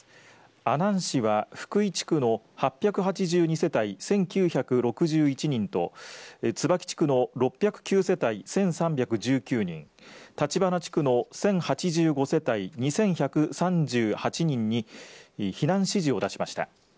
阿南市は福井地区の８８２世帯１９６１人と椿地区の６０９世帯１３１９人橘地区の１０８５世帯２１３８人に避難指示を出しました。